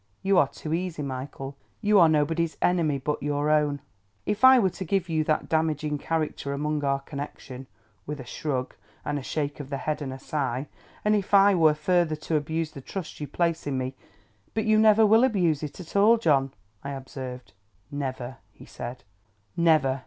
You are too easy, Michael. You are nobody's enemy but your own. If I were to give you that damaging character among our connexion, with a shrug, and a shake of the head, and a sigh; and if I were further to abuse the trust you place in me—" "But you never will abuse it at all, John," I observed. "Never!"